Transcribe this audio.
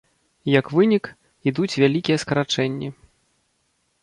Як вынік, ідуць вялікія скарачэнні.